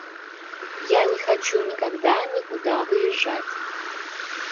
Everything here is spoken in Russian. Я не хочу никогда никуда выезжать.